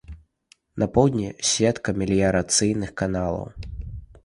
На поўдні сетка меліярацыйных каналаў.